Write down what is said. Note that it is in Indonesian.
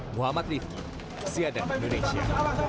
muhammad rifki siadat indonesia